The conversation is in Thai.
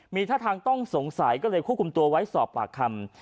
มีท่าทางต้องสงสัยก็เลยควบคุมตัวไว้สอบปากคำ